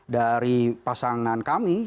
dari pasangan kami